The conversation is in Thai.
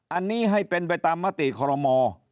อันนี้ให้เป็นไปตามมติคอรมอ